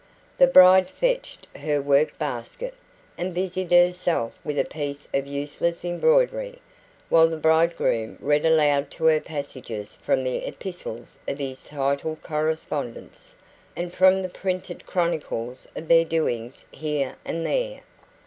The bride fetched her work basket, and busied herself with a piece of useless embroidery, while the bridegroom read aloud to her passages from the epistles of his titled correspondents, and from the printed chronicles of their doings here and there.